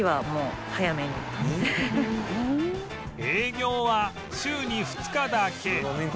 営業は週に２日だけ